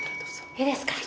いいですか？